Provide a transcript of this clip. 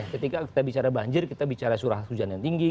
ketika kita bicara banjir kita bicara curah hujan yang tinggi